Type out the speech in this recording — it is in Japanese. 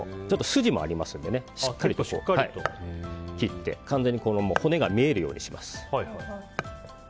筋もありますのでしっかりと切って、完全に骨が見えるようにします。